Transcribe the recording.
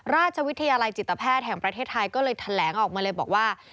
ราชวิทยาลัยจิตแพทย์แห่งประเทศไทยก็เลยแถลงออกมาเลยบอกว่า